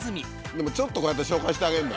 でもちょっとこうやって紹介してあげるんだ。